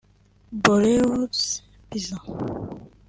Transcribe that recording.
Borewors Pizza